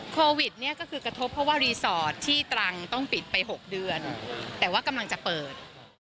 โควิดเนี่ยก็คือกระทบเพราะว่ารีสอร์ทที่ตรังต้องปิดไป๖เดือนแต่ว่ากำลังจะเปิด